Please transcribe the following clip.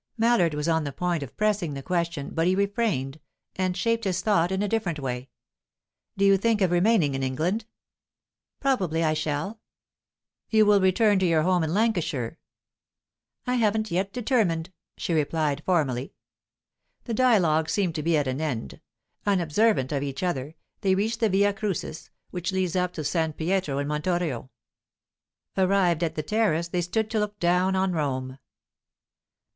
Mallard was on the point of pressing the question, but he refrained, and shaped his thought in a different way. "Do you think of remaining in England?" "Probably I shall." "You will return to your home in Lancashire?" "I haven't yet determined," she replied formally. The dialogue seemed to be at an end. Unobservant of each other, they reached the Via Crucis, which leads up to S. Pietro in Montorio. Arrived at the terrace, they stood to look down on Rome.